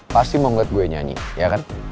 pasti mau ngeliat gue nyanyi ya kan